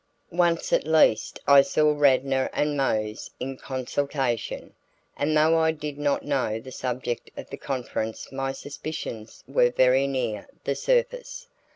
Once at least I saw Radnor and Mose in consultation, and though I did not know the subject of the conference my suspicions were very near the surface.